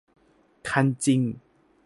คันจริง